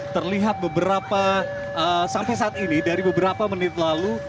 terlihat beberapa sampai saat ini dari beberapa menit lalu